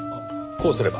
こうすれば。